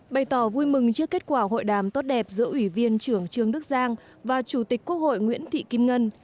bày tỏ vui mừng trước kết quả hội đàm tốt đẹp giữa ủy viên trưởng trương đức giang và chủ tịch quốc hội nguyễn thị kim ngân